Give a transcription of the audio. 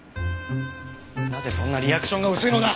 なぜそんなリアクションが薄いのだ！？